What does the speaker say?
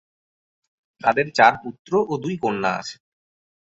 তাদের চার পুত্র ও দুই কন্যা আছে।